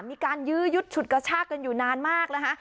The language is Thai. มีการยืดชุดกระชากกันอยู่นานมากนะคะ